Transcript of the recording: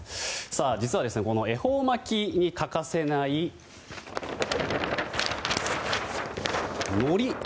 実は、この恵方巻きに欠かせない、のり。